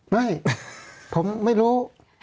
ไม่ผมไม่รู้